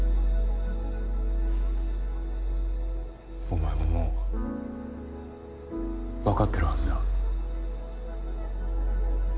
お前ももうわかってるはずだ。